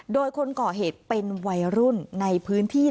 โดยคนก่อเหตุเป็นวัยรุ่นในพื้นที่